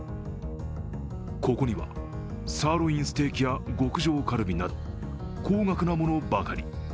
ここには、サーロインステーキや極上カルビなど高額なものばかり。